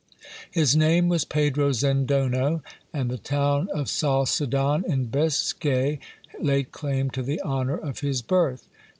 His name was Pedro Zendono, and the town of Salsedon in Biscay laid claim to the honour of his birth.